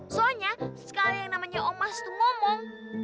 soalnya sekali yang namanya omas tuh ngomong